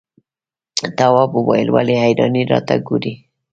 تواب وويل: ولې حیرانې راته ګوري؟